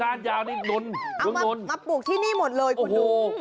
เอามาปลูกที่นี่หมดเลยคุณดู